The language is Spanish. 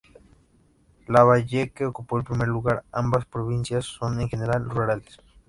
Lambayeque ocupa el primer lugar, ambas provincias son en general rurales.